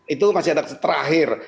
itu masih ada terakhir